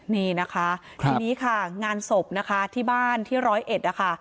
นี่นะคะทีนี้ค่ะงานศพที่บ้านที่๑๐๑นะคะ